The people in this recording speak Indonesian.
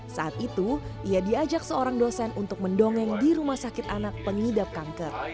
saat itu ia diajak seorang dosen untuk mendongeng di rumah sakit anak pengidap kanker